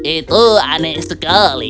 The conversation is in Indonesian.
itu aneh sekali